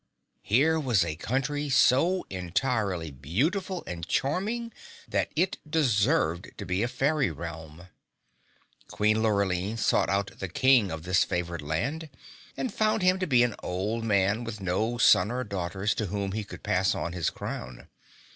Here was a country so entirely beautiful and charming that it deserved to be a fairy realm. Queen Lurline sought out the King of this favored land and found him to be an old man with no son or daughter to whom he could pass on his crown.